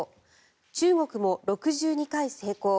中国も６２回成功